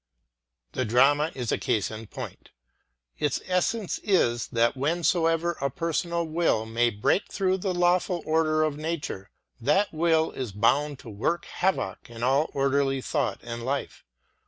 The drama is a case in point. U4 BEYOND HUMAN POWER Its essence is that whensoever a personal will may break through the lawful order of nature, that will is bound to work havoc in all orderly thought and life.